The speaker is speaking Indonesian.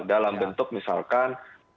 dalam bentuk misalkan